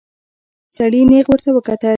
سړي نيغ ورته وکتل.